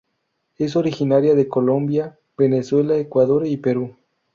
Es originaria de Colombia, Venezuela, Ecuador y Perú.